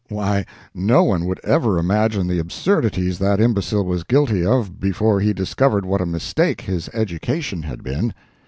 Why, no one would ever imagine the absurdities that imbecile was guilty of before he discovered what a mistake his education had been.